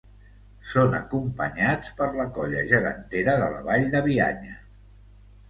Són acompanyats per la Colla gegantera de la Vall de Bianya.